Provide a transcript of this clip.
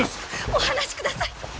お離しください